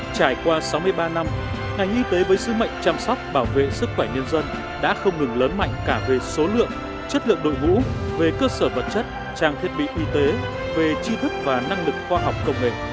trải qua sáu mươi ba năm ngành y tế với sứ mệnh chăm sóc bảo vệ sức khỏe nhân dân đã không ngừng lớn mạnh cả về số lượng chất lượng đội ngũ về cơ sở vật chất trang thiết bị y tế về chi thức và năng lực khoa học công nghệ